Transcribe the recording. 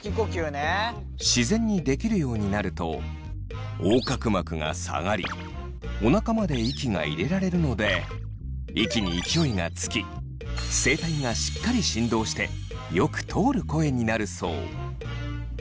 自然にできるようになると横隔膜が下がりおなかまで息が入れられるので息に勢いがつき声帯がしっかり振動してよく通る声になるそう。